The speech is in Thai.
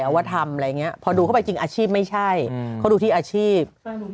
ว่าทำอะไรอย่างนี้พอดูเข้าไปจริงอาชีพไม่ใช่เขาดูที่อาชีพ